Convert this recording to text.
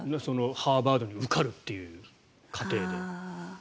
ハーバードに受かるという過程で。